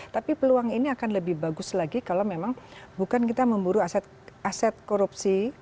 tapi peluang ini akan lebih bagus lagi kalau memang bukan kita memburu aset korupsi